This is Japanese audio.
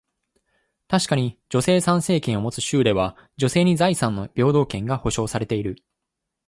確かに、女性参政権を持つ州では、女性に財産の平等権が保証されている。